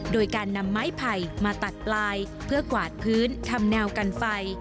โดยการนำไม้ไผ่มาตัดปลายเพื่อกวาดพื้นทำแนวกันไฟ